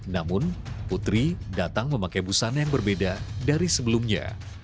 namun putri datang memakai busana yang berbeda dari sebelumnya